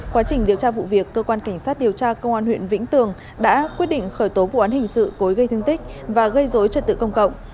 quá trình điều tra vụ việc cơ quan cảnh sát điều tra công an huyện vĩnh tường đã quyết định khởi tố vụ án hình sự cố ý gây thương tích và gây dối trật tự công cộng